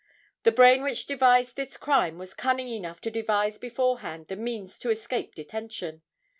The brain which devised this crime was cunning enough to devise beforehand, the means to escape detention.